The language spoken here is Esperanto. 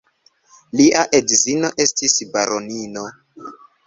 Lia edzino estis baronino.